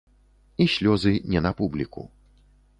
І слёзы не на публіку.